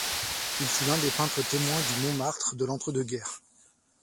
Il fut l'un des peintres témoins du Montmartre de l'entre-deux-guerre.